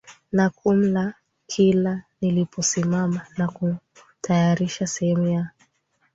na kumla Kila niliposimama na kutayarisha sehemu ya